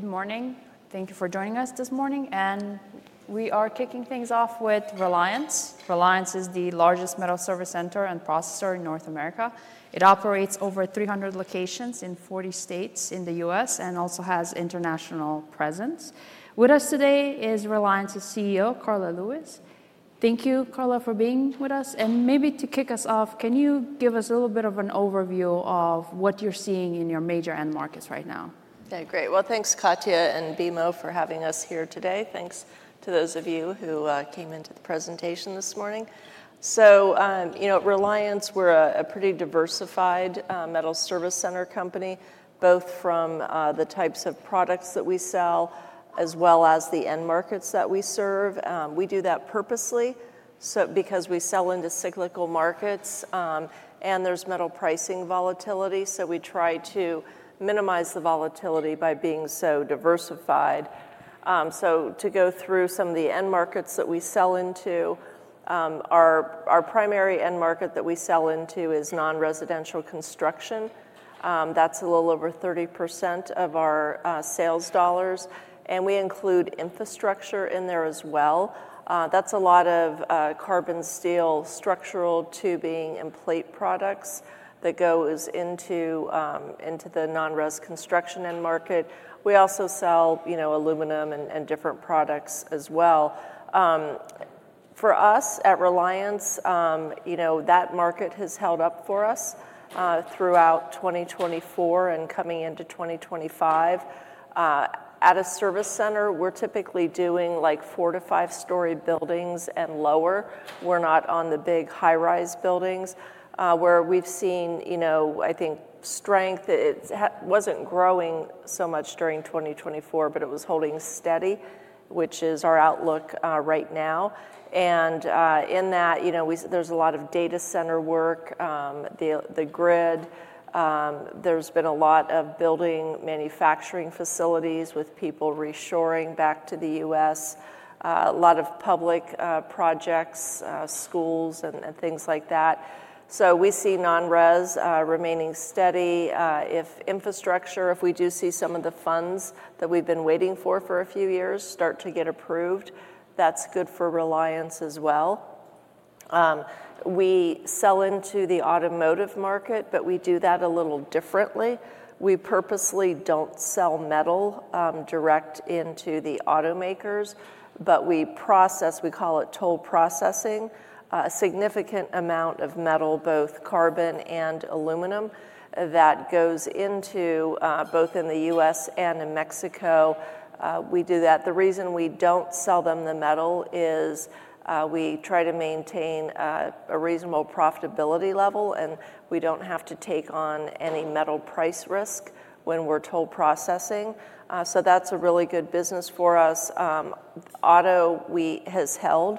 Good morning. Thank you for joining us this morning. And we are kicking things off with Reliance. Reliance is the largest metal service center and processor in North America. It operates over 300 locations in 40 states in the U.S. and also has international presence. With us today is Reliance's CEO, Karla Lewis. Thank you, Karla, for being with us. And maybe to kick us off, can you give us a little bit of an overview of what you're seeing in your major end markets right now? Yeah, great. Well, thanks, Katja and BMO, for having us here today. Thanks to those of you who came into the presentation this morning. So, you know, at Reliance, we're a pretty diversified metal service center company, both from the types of products that we sell as well as the end markets that we serve. We do that purposely because we sell into cyclical markets, and there's metal pricing volatility. So we try to minimize the volatility by being so diversified. So to go through some of the end markets that we sell into, our primary end market that we sell into is non-residential construction. That's a little over 30% of our sales dollars. And we include infrastructure in there as well. That's a lot of carbon steel, structural tubing, and plate products that go into the non-res construction end market. We also sell, you know, aluminum and different products as well. For us at Reliance, you know, that market has held up for us throughout 2024 and coming into 2025. At a service center, we're typically doing like four- to five-story buildings and lower. We're not on the big high-rise buildings, where we've seen, you know, I think strength. It wasn't growing so much during 2024, but it was holding steady, which is our outlook right now. And in that, you know, there's a lot of data center work, the grid. There's been a lot of building manufacturing facilities with people reshoring back to the U.S., a lot of public projects, schools, and things like that. So we see non-res remaining steady. If infrastructure, if we do see some of the funds that we've been waiting for for a few years start to get approved, that's good for Reliance as well. We sell into the automotive market, but we do that a little differently. We purposely don't sell metal direct into the automakers, but we process, we call it toll processing, a significant amount of metal, both carbon and aluminum, that goes into both in the U.S. and in Mexico. We do that. The reason we don't sell them the metal is we try to maintain a reasonable profitability level, and we don't have to take on any metal price risk when we're toll processing. So that's a really good business for us. Auto, we has held.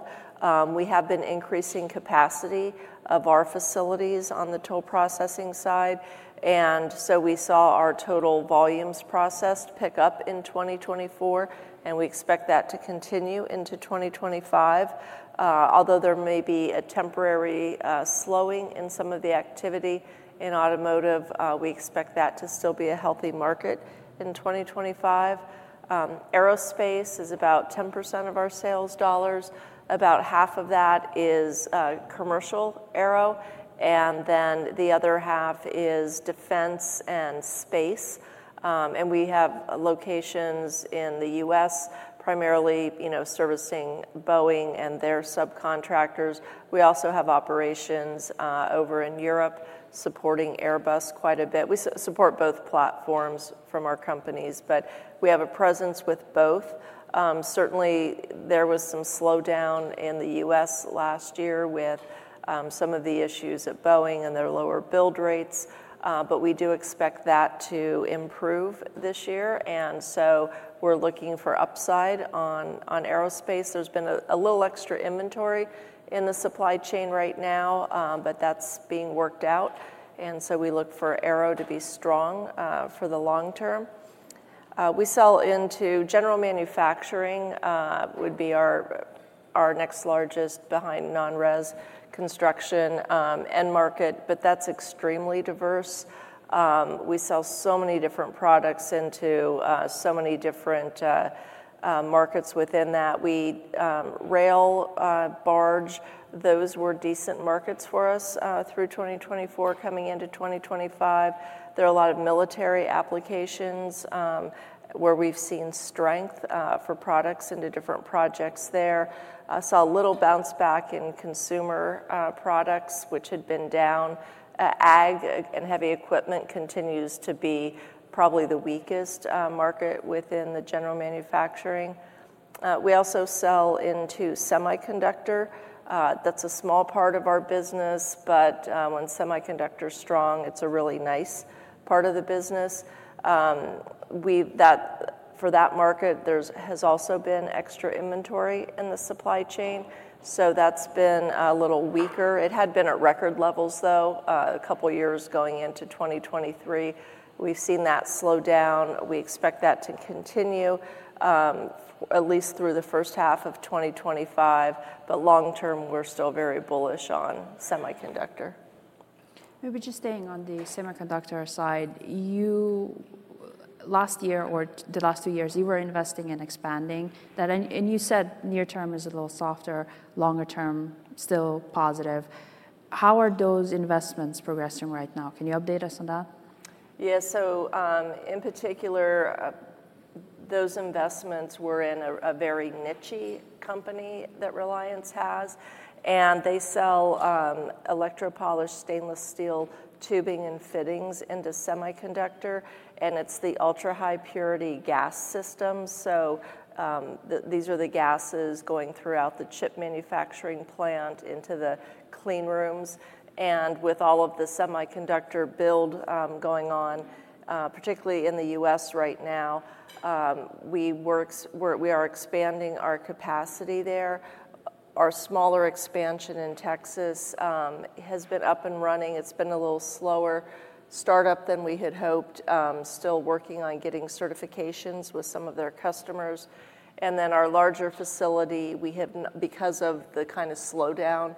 We have been increasing capacity of our facilities on the toll processing side. And so we saw our total volumes processed pick up in 2024, and we expect that to continue into 2025. Although there may be a temporary slowing in some of the activity in automotive, we expect that to still be a healthy market in 2025. Aerospace is about 10% of our sales dollars. About half of that is commercial aero, and then the other half is defense and space. And we have locations in the U.S., primarily, you know, servicing Boeing and their subcontractors. We also have operations over in Europe supporting Airbus quite a bit. We support both platforms from our companies, but we have a presence with both. Certainly, there was some slowdown in the U.S. last year with some of the issues at Boeing and their lower build rates, but we do expect that to improve this year. And so we're looking for upside on aerospace. There's been a little extra inventory in the supply chain right now, but that's being worked out, and so we look for aero to be strong for the long term. We sell into general manufacturing would be our next largest behind non-res construction end market, but that's extremely diverse. We sell so many different products into so many different markets within that. Rail, barge, those were decent markets for us through 2024, coming into 2025. There are a lot of military applications where we've seen strength for products into different projects there. I saw a little bounce back in consumer products, which had been down. Ag and heavy equipment continues to be probably the weakest market within the general manufacturing. We also sell into semiconductor. That's a small part of our business, but when semiconductor is strong, it's a really nice part of the business. For that market, there has also been extra inventory in the supply chain, so that's been a little weaker. It had been at record levels, though, a couple of years going into 2023. We've seen that slow down. We expect that to continue at least through the first half of 2025, but long term, we're still very bullish on semiconductor. Maybe just staying on the semiconductor side, you last year or the last two years, you were investing and expanding that, and you said near term is a little softer, longer term still positive. How are those investments progressing right now? Can you update us on that? Yeah, so in particular, those investments were in a very niche company that Reliance has, and they sell electropolished stainless steel tubing and fittings into semiconductor, and it's the ultra high purity gas system, so these are the gases going throughout the chip manufacturing plant into the clean rooms, and with all of the semiconductor build going on, particularly in the U.S. right now, we are expanding our capacity there. Our smaller expansion in Texas has been up and running. It's been a little slower startup than we had hoped, still working on getting certifications with some of their customers, and then our larger facility, because of the kind of slowdown,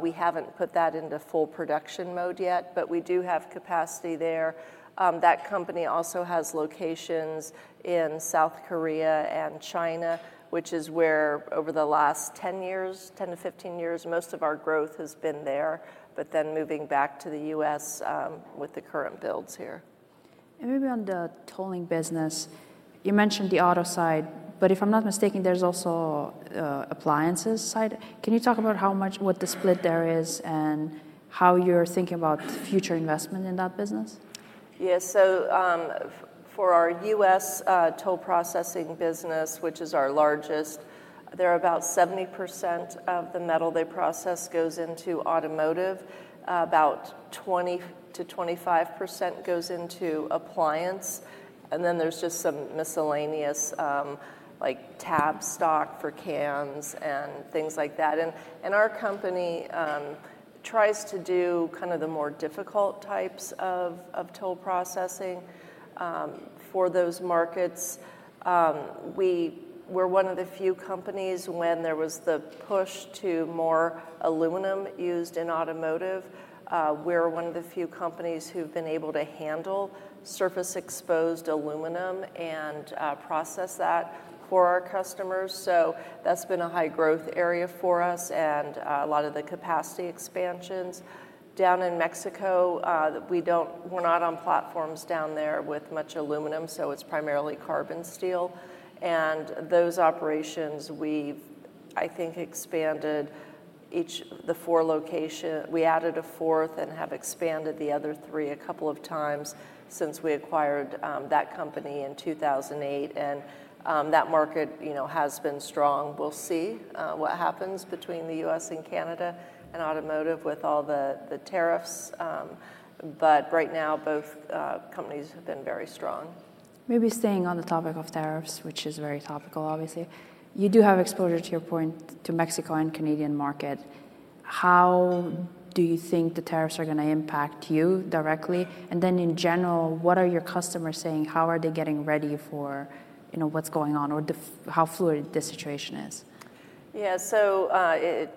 we haven't put that into full production mode yet, but we do have capacity there. That company also has locations in South Korea and China, which is where over the last 10 years, 10 to 15 years, most of our growth has been there, but then moving back to the U.S. with the current builds here. And maybe on the tolling business, you mentioned the auto side, but if I'm not mistaken, there's also appliances side. Can you talk about how much, what the split there is and how you're thinking about future investment in that business? Yeah, so for our U.S. toll processing business, which is our largest, there are about 70% of the metal they process goes into automotive, about 20%-25% goes into appliance, and then there's just some miscellaneous, like tab stock for cans and things like that. Our company tries to do kind of the more difficult types of toll processing for those markets. We're one of the few companies when there was the push to more aluminum used in automotive. We're one of the few companies who've been able to handle surface exposed aluminum and process that for our customers. So that's been a high growth area for us and a lot of the capacity expansions. Down in Mexico, we're not on platforms down there with much aluminum, so it's primarily carbon steel. And those operations, we've, I think, expanded each of the four locations. We added a fourth and have expanded the other three a couple of times since we acquired that company in 2008, and that market, you know, has been strong. We'll see what happens between the U.S. and Canada and automotive with all the tariffs, but right now, both companies have been very strong. Maybe staying on the topic of tariffs, which is very topical, obviously, you do have exposure to your point to Mexico and Canadian market. How do you think the tariffs are going to impact you directly? And then in general, what are your customers saying? How are they getting ready for, you know, what's going on or how fluid this situation is? Yeah, so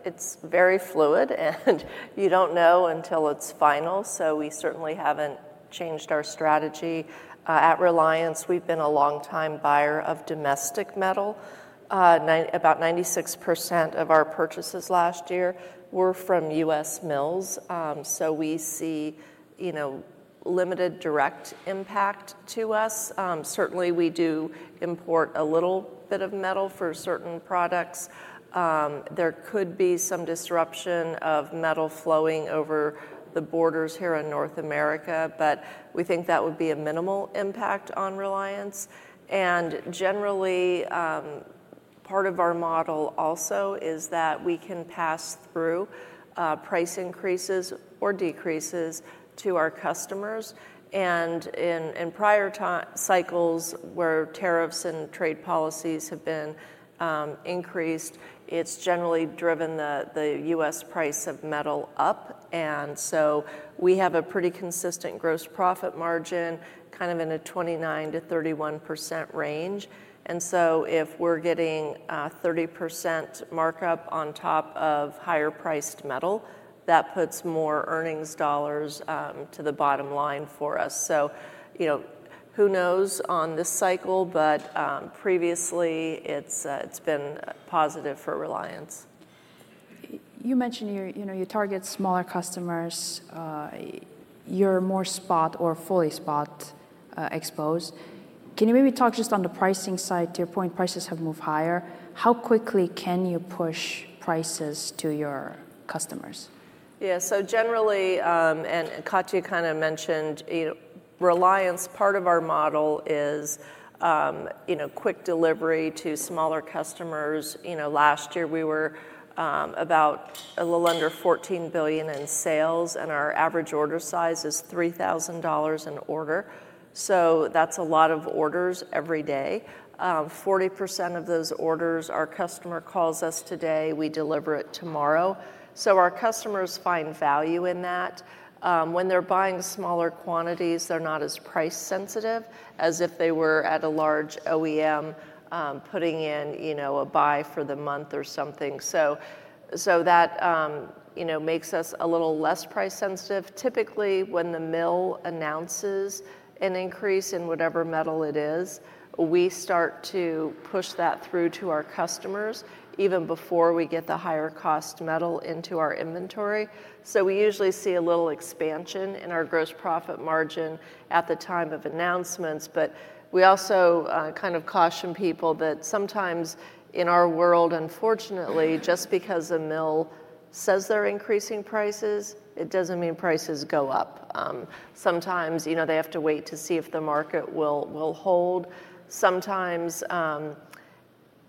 it's very fluid, and you don't know until it's final. We certainly haven't changed our strategy. At Reliance, we've been a longtime buyer of domestic metal. About 96% of our purchases last year were from U.S. mills. So we see, you know, limited direct impact to us. Certainly, we do import a little bit of metal for certain products. There could be some disruption of metal flowing over the borders here in North America, but we think that would be a minimal impact on Reliance. Generally, part of our model also is that we can pass through price increases or decreases to our customers. In prior cycles where tariffs and trade policies have been increased, it's generally driven the U.S. price of metal up. So we have a pretty consistent gross profit margin, kind of in a 29%-31% range. And so if we're getting a 30% markup on top of higher priced metal, that puts more earnings dollars to the bottom line for us. So, you know, who knows on this cycle, but previously it's been positive for Reliance. You mentioned your, you know, you target smaller customers. You're more spot or fully spot exposed. Can you maybe talk just on the pricing side? To your point, prices have moved higher. How quickly can you push prices to your customers? Yeah, so generally, and Katja kind of mentioned, you know, Reliance, part of our model is, you know, quick delivery to smaller customers. You know, last year we were about a little under $14 billion in sales, and our average order size is $3,000 an order. So that's a lot of orders every day. 40% of those orders, our customer calls us today, we deliver it tomorrow. So our customers find value in that. When they're buying smaller quantities, they're not as price sensitive as if they were at a large OEM putting in, you know, a buy for the month or something. So that, you know, makes us a little less price sensitive. Typically, when the mill announces an increase in whatever metal it is, we start to push that through to our customers even before we get the higher cost metal into our inventory. So we usually see a little expansion in our gross profit margin at the time of announcements, but we also kind of caution people that sometimes in our world, unfortunately, just because a mill says they're increasing prices, it doesn't mean prices go up. Sometimes, you know, they have to wait to see if the market will hold. Sometimes,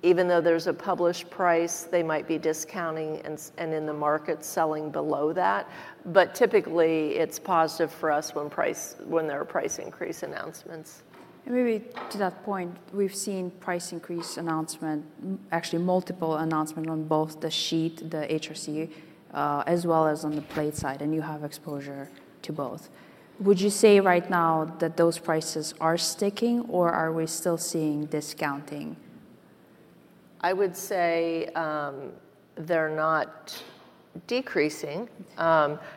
even though there's a published price, they might be discounting and in the market selling below that. But typically, it's positive for us when there are price increase announcements. Maybe to that point, we've seen price increase announcement, actually multiple announcements on both the sheet, the HRC, as well as on the plate side, and you have exposure to both. Would you say right now that those prices are sticking or are we still seeing discounting? I would say they're not decreasing.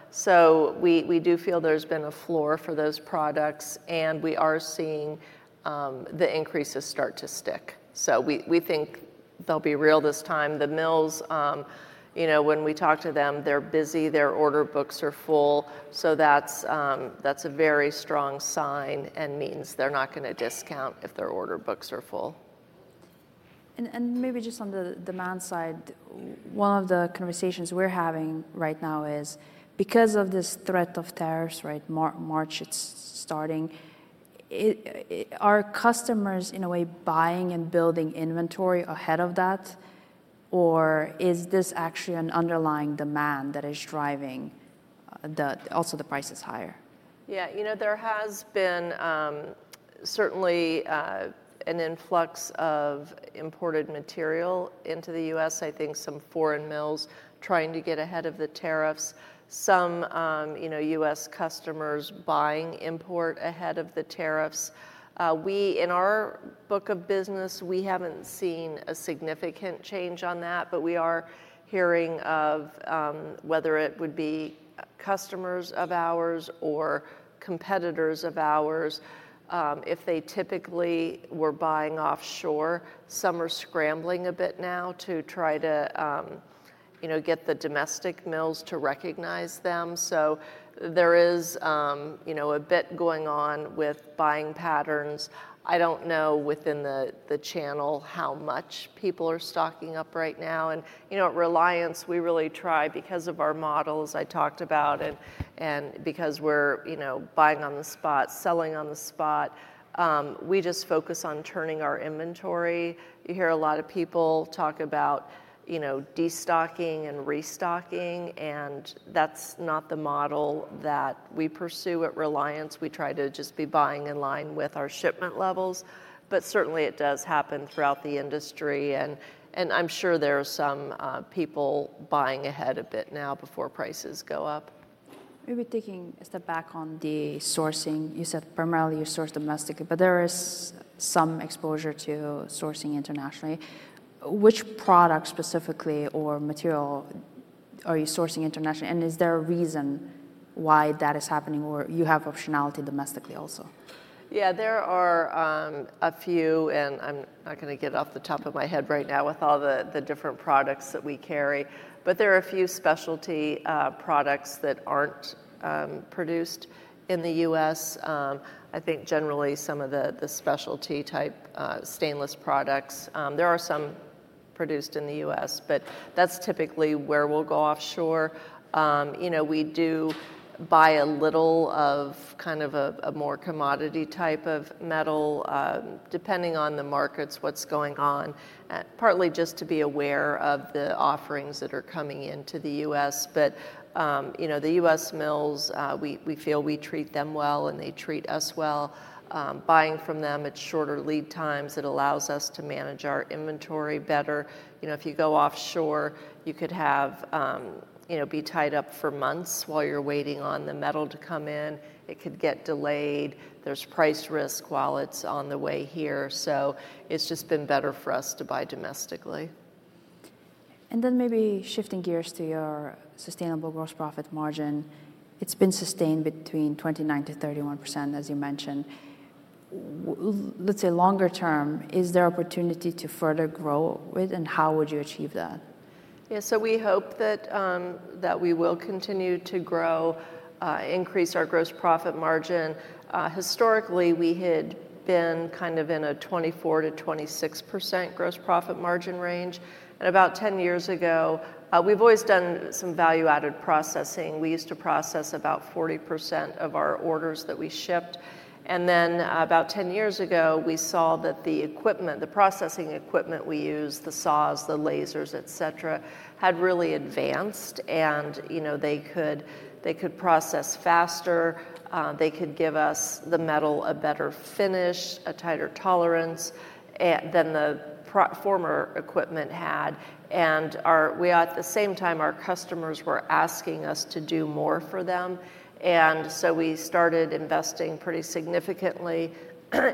So we do feel there's been a floor for those products, and we are seeing the increases start to stick. So we think they'll be real this time. The mills, you know, when we talk to them, they're busy, their order books are full. So that's a very strong sign and means they're not going to discount if their order books are full. Maybe just on the demand side, one of the conversations we're having right now is because of this threat of tariffs, right, March, it's starting, are customers in a way buying and building inventory ahead of that, or is this actually an underlying demand that is driving also the prices higher? Yeah, you know, there has been certainly an influx of imported material into the U.S. I think some foreign mills trying to get ahead of the tariffs, some, you know, U.S. customers buying import ahead of the tariffs. We, in our book of business, we haven't seen a significant change on that, but we are hearing of whether it would be customers of ours or competitors of ours. If they typically were buying offshore, some are scrambling a bit now to try to, you know, get the domestic mills to recognize them. So there is, you know, a bit going on with buying patterns. I don't know within the channel how much people are stocking up right now. And, you know, at Reliance, we really try because of our models I talked about and because we're, you know, buying on the spot, selling on the spot. We just focus on turning our inventory. You hear a lot of people talk about, you know, destocking and restocking, and that's not the model that we pursue at Reliance. We try to just be buying in line with our shipment levels, but certainly it does happen throughout the industry, and I'm sure there are some people buying ahead a bit now before prices go up. Maybe taking a step back on the sourcing, you said primarily you source domestically, but there is some exposure to sourcing internationally. Which products specifically or material are you sourcing internationally? And is there a reason why that is happening or you have optionality domestically also? Yeah, there are a few, and I'm not going to get off the top of my head right now with all the different products that we carry, but there are a few specialty products that aren't produced in the US. I think generally some of the specialty type stainless products, there are some produced in the US, but that's typically where we'll go offshore. You know, we do buy a little of kind of a more commodity type of metal, depending on the markets, what's going on, partly just to be aware of the offerings that are coming into the US. But, you know, the US mills, we feel we treat them well and they treat us well. Buying from them, it's shorter lead times. It allows us to manage our inventory better. You know, if you go offshore, you could have, you know, be tied up for months while you're waiting on the metal to come in. It could get delayed. There's price risk while it's on the way here. So it's just been better for us to buy domestically. And then maybe shifting gears to your sustainable gross profit margin, it's been sustained between 29%-31%, as you mentioned. Let's say longer term, is there opportunity to further grow with and how would you achieve that? Yeah, so we hope that we will continue to grow, increase our gross profit margin. Historically, we had been kind of in a 24%-26% gross profit margin range, and about 10 years ago, we've always done some value added processing. We used to process about 40% of our orders that we shipped, and then about 10 years ago, we saw that the equipment, the processing equipment we use, the saws, the lasers, et cetera, had really advanced, and, you know, they could process faster. They could give us the metal a better finish, a tighter tolerance than the former equipment had, and we at the same time, our customers were asking us to do more for them, and so we started investing pretty significantly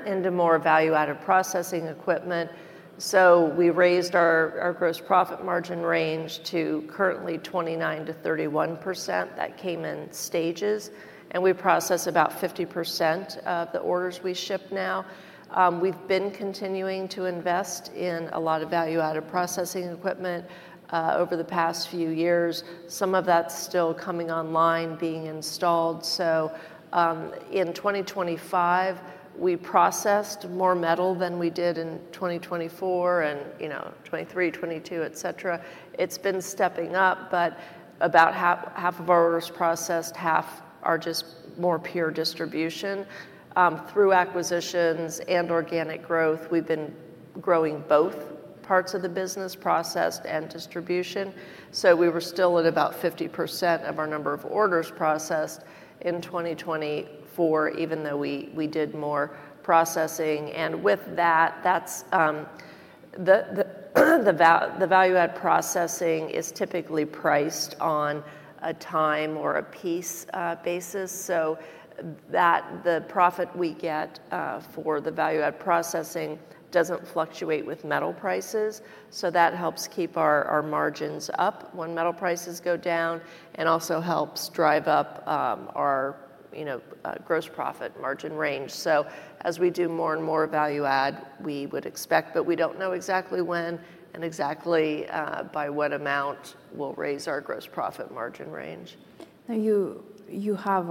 into more value added processing equipment. So we raised our gross profit margin range to currently 29%-31%. That came in stages. We process about 50% of the orders we ship now. We've been continuing to invest in a lot of value added processing equipment over the past few years. Some of that's still coming online, being installed. So in 2025, we processed more metal than we did in 2024 and, you know, 2023, 2022, et cetera. It's been stepping up, but about half of our orders processed, half are just more pure distribution. Through acquisitions and organic growth, we've been growing both parts of the business, processed and distribution. So we were still at about 50% of our number of orders processed in 2024, even though we did more processing. And with that, that's the value added processing is typically priced on a time or a piece basis. So that the profit we get for the value added processing doesn't fluctuate with metal prices. So that helps keep our margins up when metal prices go down and also helps drive up our, you know, gross profit margin range. So as we do more and more value add, we would expect, but we don't know exactly when and exactly by what amount we'll raise our gross profit margin range. Now you have,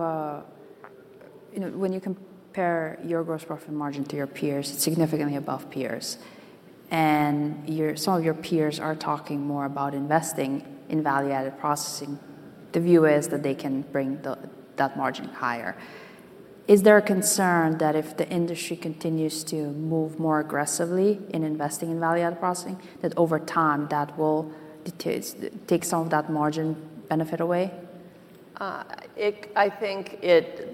you know, when you compare your gross profit margin to your peers, it's significantly above peers. And some of your peers are talking more about investing in value added processing. The view is that they can bring that margin higher. Is there a concern that if the industry continues to move more aggressively in investing in value added processing, that over time that will take some of that margin benefit away? I think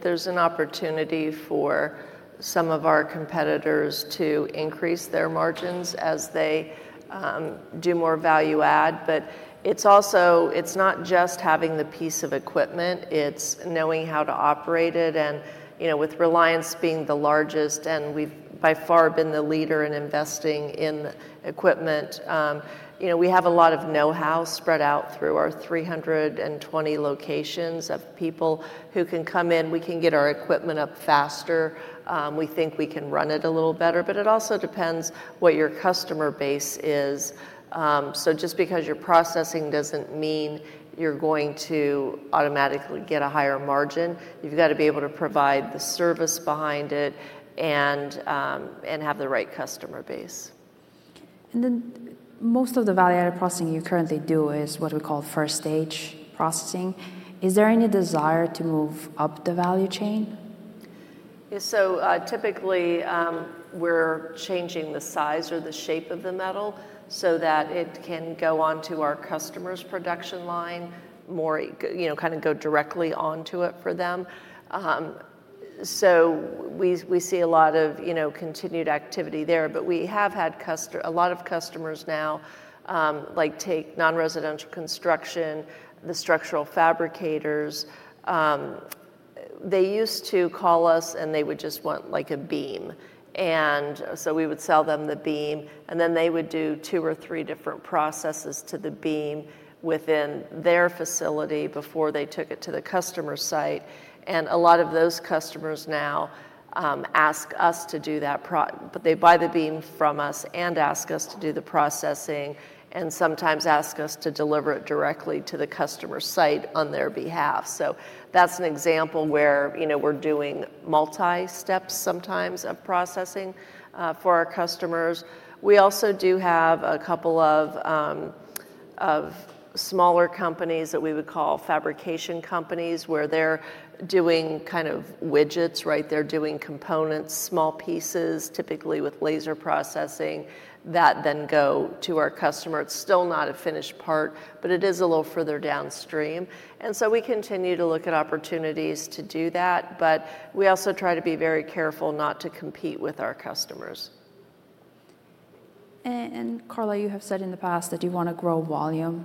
there's an opportunity for some of our competitors to increase their margins as they do more value add. But it's also, it's not just having the piece of equipment, it's knowing how to operate it. And, you know, with Reliance being the largest and we've by far been the leader in investing in equipment, you know, we have a lot of know-how spread out through our 320 locations of people who can come in. We can get our equipment up faster. We think we can run it a little better, but it also depends what your customer base is. So just because your processing doesn't mean you're going to automatically get a higher margin. You've got to be able to provide the service behind it and have the right customer base. Most of the value added processing you currently do is what we call first stage processing. Is there any desire to move up the value chain? Yeah, so typically we're changing the size or the shape of the metal so that it can go onto our customer's production line more, you know, kind of go directly onto it for them. So we see a lot of, you know, continued activity there, but we have had a lot of customers now, like take non-residential construction, the structural fabricators. They used to call us and they would just want like a beam. And so we would sell them the beam and then they would do two or three different processes to the beam within their facility before they took it to the customer site. And a lot of those customers now ask us to do that, but they buy the beam from us and ask us to do the processing and sometimes ask us to deliver it directly to the customer site on their behalf. So that's an example where, you know, we're doing multi-steps sometimes of processing for our customers. We also do have a couple of smaller companies that we would call fabrication companies where they're doing kind of widgets, right? They're doing components, small pieces, typically with laser processing that then go to our customer. It's still not a finished part, but it is a little further downstream. And so we continue to look at opportunities to do that, but we also try to be very careful not to compete with our customers. And Karla, you have said in the past that you want to grow volume.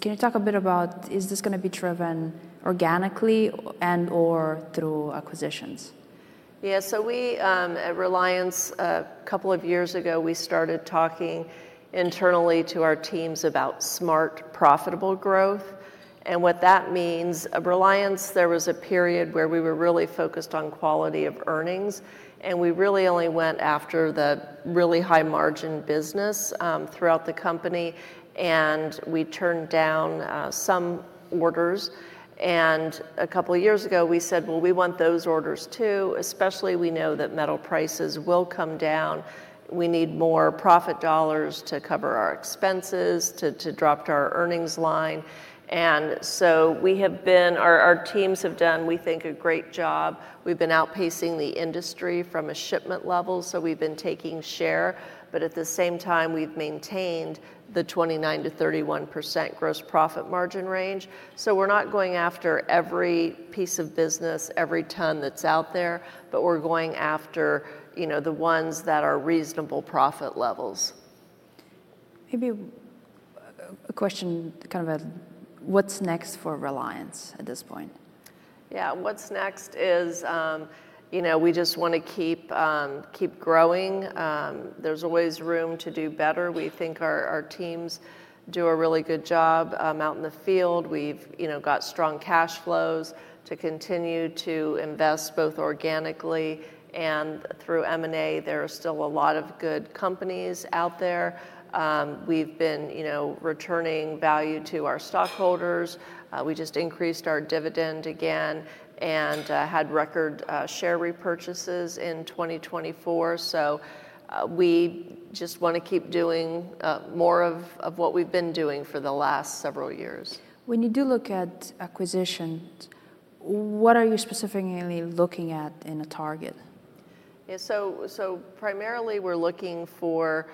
Can you talk a bit about is this going to be driven organically and/or through acquisitions? Yeah, so we at Reliance, a couple of years ago, we started talking internally to our teams about smart profitable growth. And what that means, Reliance, there was a period where we were really focused on quality of earnings. And we really only went after the really high margin business throughout the company. And we turned down some orders. And a couple of years ago, we said, well, we want those orders too, especially we know that metal prices will come down. We need more profit dollars to cover our expenses, to drop our earnings line. And so we have been, our teams have done, we think a great job. We've been outpacing the industry from a shipment level. So we've been taking share, but at the same time, we've maintained the 29%-31% gross profit margin range. So we're not going after every piece of business, every ton that's out there, but we're going after, you know, the ones that are reasonable profit levels. Maybe a question, kind of what's next for Reliance at this point? Yeah, what's next is, you know, we just want to keep growing. There's always room to do better. We think our teams do a really good job out in the field. We've, you know, got strong cash flows to continue to invest both organically and through M&A. There are still a lot of good companies out there. We've been, you know, returning value to our stockholders. We just increased our dividend again and had record share repurchases in 2024. So we just want to keep doing more of what we've been doing for the last several years. When you do look at acquisitions, what are you specifically looking at in a target? Yeah, so primarily we're looking for,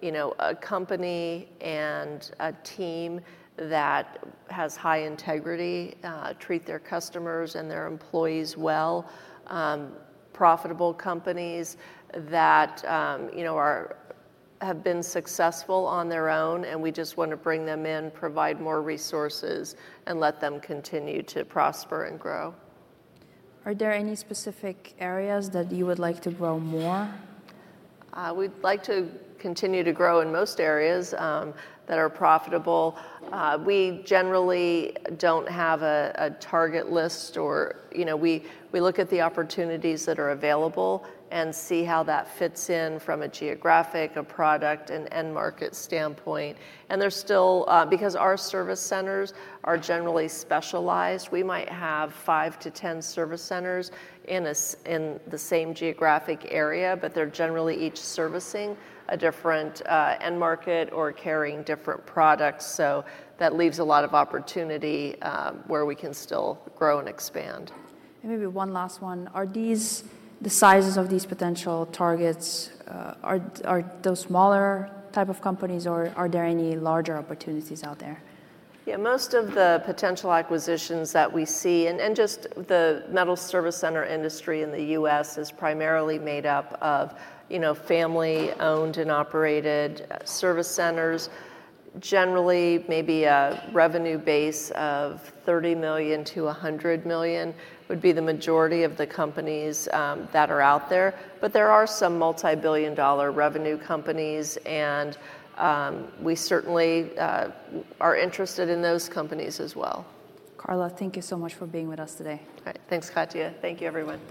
you know, a company and a team that has high integrity, treat their customers and their employees well, profitable companies that, you know, have been successful on their own, and we just want to bring them in, provide more resources and let them continue to prosper and grow. Are there any specific areas that you would like to grow more? We'd like to continue to grow in most areas that are profitable. We generally don't have a target list or, you know, we look at the opportunities that are available and see how that fits in from a geographic, a product, and end market standpoint, and there's still, because our service centers are generally specialized, we might have five to 10 service centers in the same geographic area, but they're generally each servicing a different end market or carrying different products, so that leaves a lot of opportunity where we can still grow and expand. And maybe one last one. Are these the sizes of these potential targets? Are those smaller type of companies or are there any larger opportunities out there? Yeah, most of the potential acquisitions that we see and just the metal service center industry in the U.S. is primarily made up of, you know, family owned and operated service centers. Generally, maybe a revenue base of $30 million-$100 million would be the majority of the companies that are out there. But there are some multi-billion-dollar revenue companies and we certainly are interested in those companies as well. Karla, thank you so much for being with us today. All right, thanks Katja. Thank you everyone.